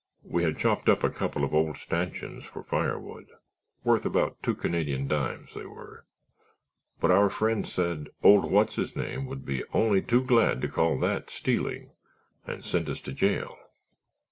We had chopped up a couple of old stanchions for firewood—worth about two Canadian dimes, they were, but our friend said old What's his name would be only too glad to call that stealing and send us to jail.